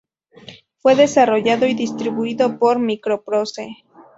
Fue desarrollado y distribuido por MicroProse.